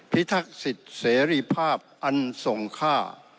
พิทักษิตเสรีภาพอันส่งค่า